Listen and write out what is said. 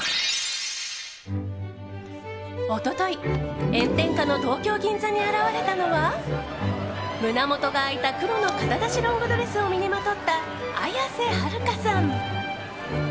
一昨日炎天下の東京・銀座に現れたのは胸元が開いた黒の肩出しロングドレスを身にまとった綾瀬はるかさん。